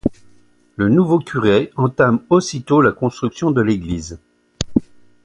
Le nouveau curé entame aussitôt la construction de l’église.